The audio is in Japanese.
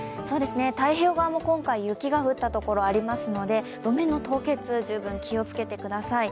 太平洋側も今回雪が降ったところがありますので、路面の凍結、十分気をつけてください。